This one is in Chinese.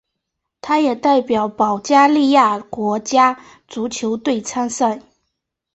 他也代表保加利亚国家足球队参赛。